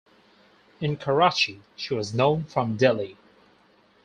In Karachi she was known from Delhi.